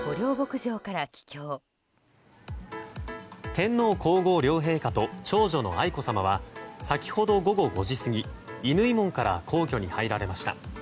天皇・皇后両陛下と長女の愛子さまは先ほど、午後５時過ぎ乾門から皇居に入られました。